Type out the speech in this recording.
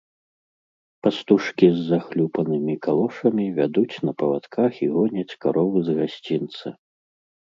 Пастушкі з захлюпанымі калошамі вядуць на павадках і гоняць каровы з гасцінца.